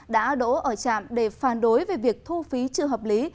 đã đổ ở trạm để phản đối về việc thu phí trực hợp lý